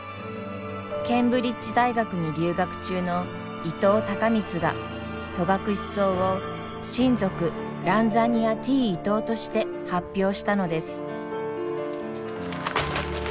ケンブリッジ大学に留学中の伊藤孝光が戸隠草を新属ＲＡＮＺＡＮＩＡＴ．Ｉｔｏとして発表したのです。